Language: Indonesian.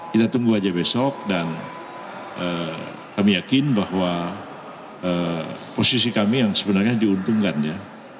kita tunggu aja besok dan kami yakin bahwa posisi kami yang sebenarnya diuntungkan ya